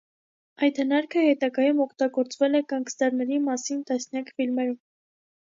Այդ հնարքը հետագայում օգտագործվել է գանգստերների մասին տասնյակ ֆիլմերում։